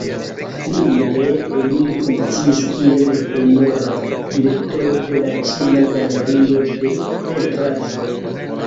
Fine li funkciis kiel honora direktoro de la Ĉina Galerio de Pentraĵoj.